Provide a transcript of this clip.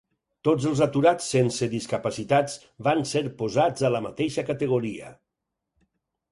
Tots els aturats sense discapacitats van ser posats a la mateixa categoria.